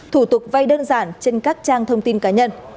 thủ tục vay đơn giản trên các trang thông tin cá nhân